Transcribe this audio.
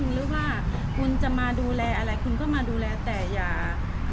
หรือว่าคุณจะมาดูแลอะไรคุณก็มาดูแลแต่อย่า